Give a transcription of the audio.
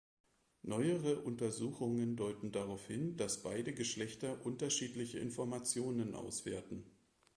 Neuere Untersuchungen deuten darauf hin, dass beide Geschlechter unterschiedliche Informationen auswerten.